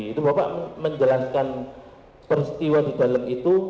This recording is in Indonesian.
itu bapak menjelaskan peristiwa di dalam itu